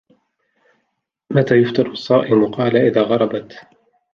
مَتَى يُفْطِرُ الصَّائِمُ ؟ قَالَ إذَا غَرَبَتْ